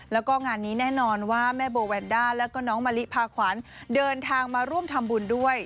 แล้วก็งานนี้แน่นอนว่าแม่โบแวนด้าแล้วก็น้องมะลิพาขวัญเดินทางมาร่วมทำบุญด้วย